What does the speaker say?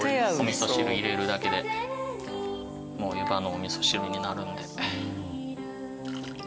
お味噌汁入れるだけでもう湯葉のお味噌汁になるんで。